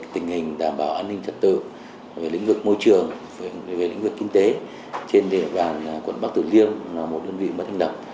tình hình đảm bảo an ninh trật tự lĩnh vực môi trường lĩnh vực kinh tế trên đề bàn quận bắc tử liêm là một đơn vị mới thành lập